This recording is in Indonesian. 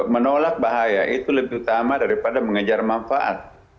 menolak bahaya itu lebih utama daripada mengejar manfaat